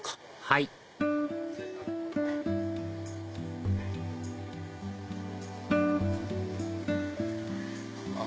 はいあ